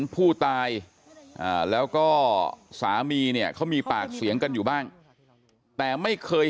ผู้ตายแล้วก็สามีเนี่ยเขามีปากเสียงกันอยู่บ้างแต่ไม่เคย